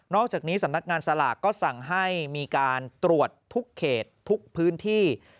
อกจากนี้สำนักงานสลากก็สั่งให้มีการตรวจทุกเขตทุกพื้นที่